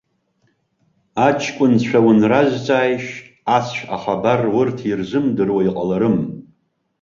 Аҷкәынцәа унразҵааишь, ацә ахабар урҭ ирзымдыруа иҟаларым.